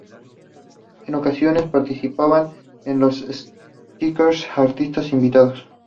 En ocasiones participaban en los "sketches" artistas invitados.